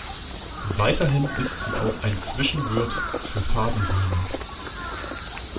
Weiterhin ist sie auch ein Zwischenwirt für Fadenwürmer.